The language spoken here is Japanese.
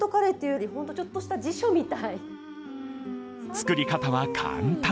作り方は簡単。